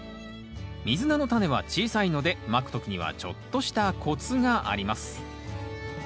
ミズナのタネは小さいのでまく時にはちょっとしたコツがあります